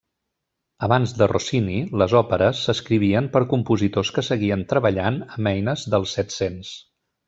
Abans de Rossini, les òperes s'escrivien per compositors que seguien treballant amb eines del Set-cents.